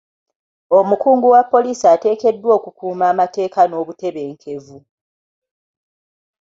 Omukungu wa poliisi ateekeddwa okukuuma amateeka n'obutebenkevu.